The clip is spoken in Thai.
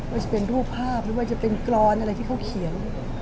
ว่าจะเป็นรูปภาพไม่ว่าจะเป็นกรอนอะไรที่เขาเขียน